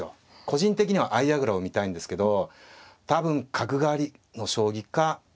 個人的には相矢倉を見たいんですけど多分角換わりの将棋か相掛かり。